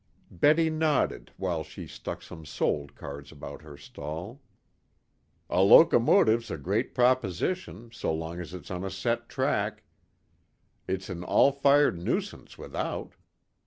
Betty nodded while she stuck some "Sold" cards about her stall. "A locomotive's a great proposition, so long as it's on a set track. It's an all fired nuisance without.